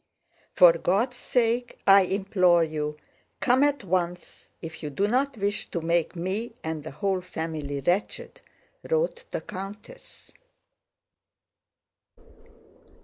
"For God's sake, I implore you, come at once if you do not wish to make me and the whole family wretched," wrote the countess.